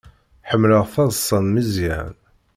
Ḥemmleɣ taḍsa n Meẓyan.